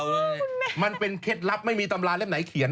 ขุมันเป็นเคล็ดลับเนี่ยไม่มีตำราเส์เล่มไหนเขียน